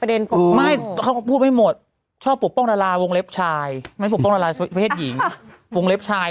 ทีมงานเพ็งกระดาษหน่อย